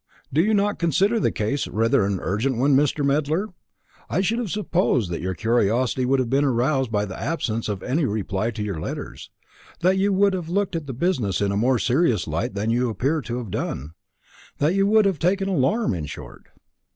"Do you not consider the case rather an urgent one, Mr. Medler? I should have supposed that your curiosity would have been aroused by the absence of any reply to your letters that you would have looked at the business in a more serious light than you appear to have done that you would have taken alarm, in short."